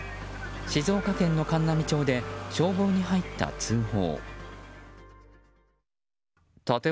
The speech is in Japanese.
静岡県の函南町で消防に入った通報。